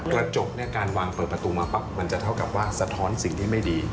กระจกเนี่ยการวางเปิดประตูมาปั๊บมันจะเท่ากับว่าสะท้อนสิ่งที่ไม่ดี